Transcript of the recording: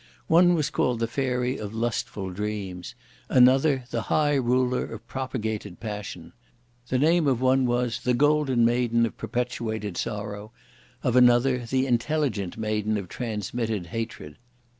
One was called the Fairy of Lustful Dreams; another "the High Ruler of Propagated Passion;" the name of one was "the Golden Maiden of Perpetuated Sorrow;" of another the "Intelligent Maiden of Transmitted Hatred."